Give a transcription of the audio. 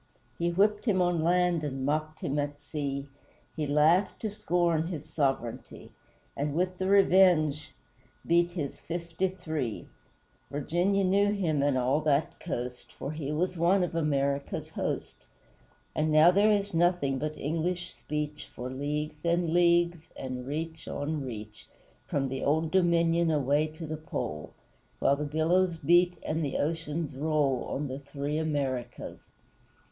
He whipped him on land and mocked him at sea, He laughed to scorn his sovereignty, And with the Revenge beat his fifty three; Virginia knew him, and all that coast, For he was one of America's host And now there is nothing but English speech For leagues and leagues, and reach on reach, From the Old Dominion away to the Pole; While the billows beat and the oceans roll On the Three Americas.